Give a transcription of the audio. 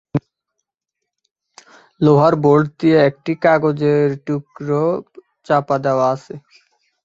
লোহার বোল্ট দিয়ে একটি কাগজের টুকরো চাপা দেওয়া আছে।